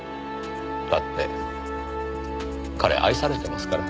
だって彼愛されてますから。